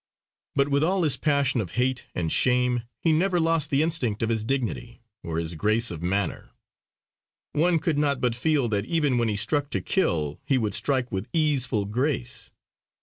But with all his passion of hate and shame he never lost the instinct of his dignity, or his grace of manner. One could not but feel that even when he struck to kill he would strike with easeful grace.